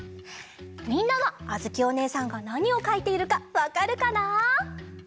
みんなはあづきおねえさんがなにをかいているかわかるかな？